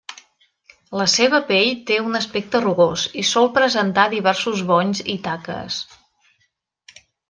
La seva pell té un aspecte rugós i sol presentar diversos bonys i taques.